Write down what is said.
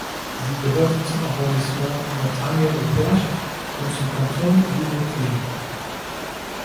Sie gehört zum Arrondissement Mortagne-au-Perche und zum Kanton Vimoutiers.